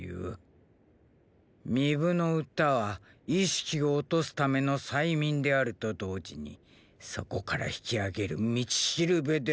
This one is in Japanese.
巫舞の歌は意識を落とすための催眠であると同時にそこから引き上げる“道標”でもある。